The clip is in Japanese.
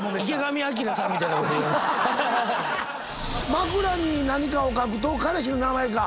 枕に何かを書くと彼氏の名前か。